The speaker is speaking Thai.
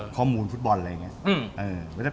ข้อมูลฟุตบอลอะไรอย่างนี้